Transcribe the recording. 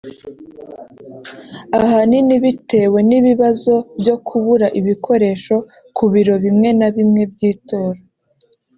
ahanini bitewe n’ibibazo byo kubura ibikoresho ku biro bimwe na bimwe by’itora